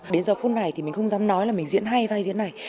đến giờ phút này thì mình không dám nói là mình diễn hay vai diễn này